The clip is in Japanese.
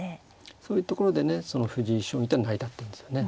そういうところでねその藤井将棋っていうのは成り立ってるんですよね。